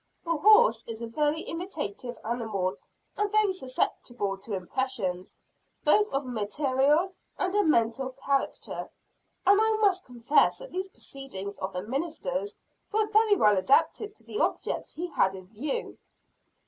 A horse is an imitative animal, and very susceptible to impressions, both of a material and a mental character and I must confess that these proceedings of the minister's were very well adapted to the object he had in view.